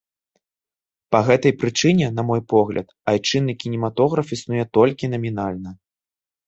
Па гэтай прычыне, на мой погляд, айчыны кінематограф існуе толькі намінальна.